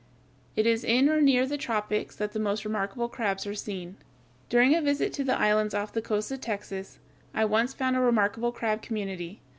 It is in or near the tropics that the most remarkable crabs are seen. During a visit to the islands off the coast of Texas, I once found a remarkable crab community.